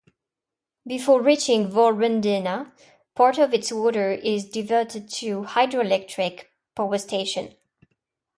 Before reaching Val Rendena, part of its water is diverted to a hydroelectric powerstation.